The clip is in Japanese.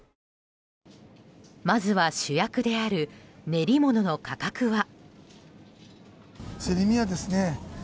まずは主役である練り物の価格は？